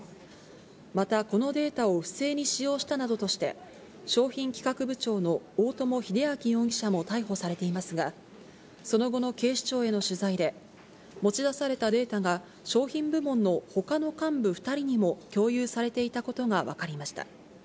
またこのデータを不正に使用したなどとして、商品企画部長の大友英昭容疑者も逮捕されていますが、その後の警視庁への取材で、持ち出されたデータが、商品部門のほかの幹部２人にも共有されていたことが分かりました。